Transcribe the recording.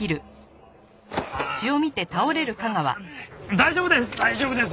大丈夫です！